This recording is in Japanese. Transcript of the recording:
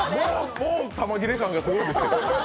もう球切れ感がすごいですけど。